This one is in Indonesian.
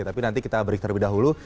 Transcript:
tapi nanti kita beritahu lebih dahulu